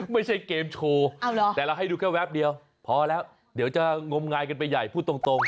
ไม่ใช่เกมโชว์แต่เราให้ดูแค่แป๊บเดียวพอแล้วเดี๋ยวจะงมงายกันไปใหญ่พูดตรง